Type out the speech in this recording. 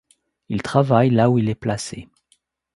Il travaille là où il est placé.